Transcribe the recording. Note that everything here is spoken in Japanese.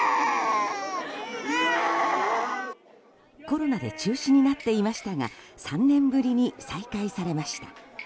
コロナで中止になっていましたが３年ぶりに再開されました。